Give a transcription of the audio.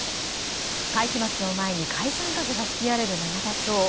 会期末を前に解散風が吹き荒れる永田町。